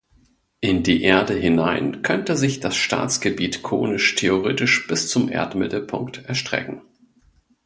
In die Erde hinein könnte sich das Staatsgebiet konisch theoretisch bis zum Erdmittelpunkt erstrecken.